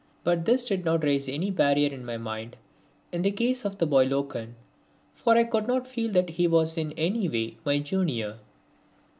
But this did not raise any barrier in my mind in the case of the boy Loken, for I could not feel that he was in any way my junior.